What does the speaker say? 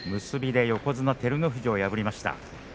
結びで横綱照ノ富士を破りました。